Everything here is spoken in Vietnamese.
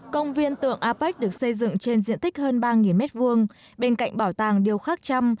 công viên tượng apec được xây dựng trên diện tích hơn ba m hai bên cạnh bảo tàng điều khắc trăm